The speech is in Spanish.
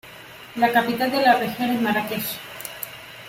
La capital de la región es Marrakech.